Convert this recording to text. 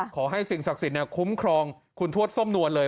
ขอให้สิ่งศักดิ์สิทธิ์คุ้มครองคุณทวดส้มนวลเลย